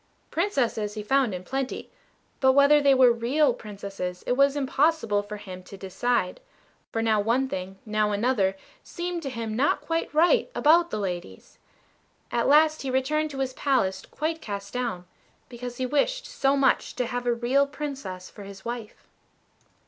Princesses he found in plenty; but whether they were real Princesses it was impossible for him to decide, for now one thing, now another, seemed to him not quite right about the ladies. At last he returned to his palace quite cast down, because he wished so much to have a real Princess for his wife.